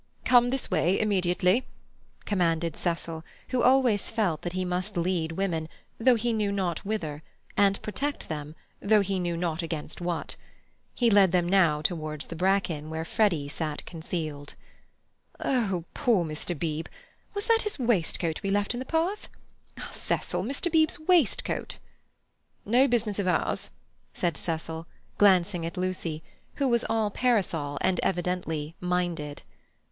"Come this way immediately," commanded Cecil, who always felt that he must lead women, though he knew not whither, and protect them, though he knew not against what. He led them now towards the bracken where Freddy sat concealed. "Oh, poor Mr. Beebe! Was that his waistcoat we left in the path? Cecil, Mr. Beebe's waistcoat—" No business of ours, said Cecil, glancing at Lucy, who was all parasol and evidently "minded."